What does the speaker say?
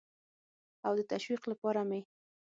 او د تشویق لپاره مې